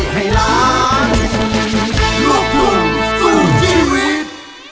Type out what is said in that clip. หลังเกียจฉันนั้นมันดำมอต่อไปที่ไหน